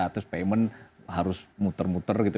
terus payment harus muter muter gitu